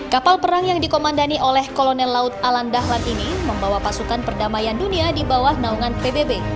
kapal perang yang dikomandani oleh kolonel laut alan dahlan ini membawa pasukan perdamaian dunia di bawah naungan pbb